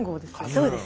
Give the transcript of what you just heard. そうです。